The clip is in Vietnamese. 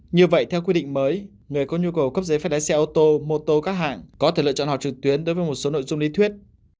như vậy theo quy định mới người có nhu cầu cấp giấy phép lái xe ô tô mô tô các hãng có thể lựa chọn họp trực tuyến đối với một số nội dung lý thuyết